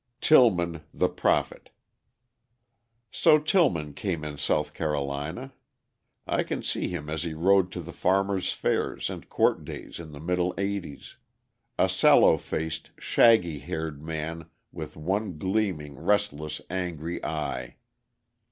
Tillman, the Prophet So Tillman came in South Carolina. I can see him as he rode to the farmers' fairs and court days in the middle eighties, a sallow faced, shaggy haired man with one gleaming, restless, angry eye.